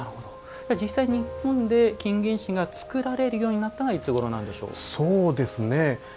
実際に日本で金銀糸が作られるようになったのはいつごろなんでしょう？